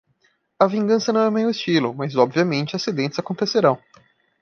A vingança não é meu estilo?, mas obviamente acidentes acontecerão.